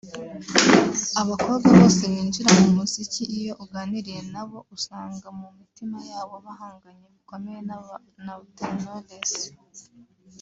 Abakobwa bose binjira mu muziki iyo uganiriye na bo usanga mu mitima yabo bahanganye bikomeye na Butera Knowless